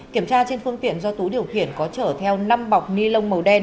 kiểm tra trên phương tiện do tú điều khiển có chở theo năm bọc ni lông màu đen